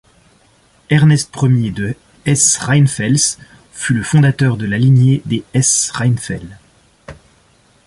Ernest I de Hesse-Rheinfels fut le fondateur de la lignée des Hesse-Rheinfel.